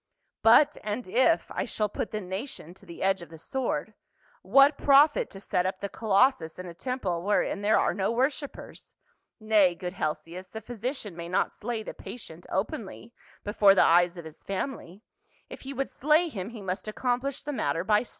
" But and if I shall put the nation to the edge of the sword, what profit to set up the colossus in a temple wherein there are no worshipers ? Nay, good Helcias, the physician may not slay the patient openly before the eyes of his family ; if he would slay him, he must accomplish the matter by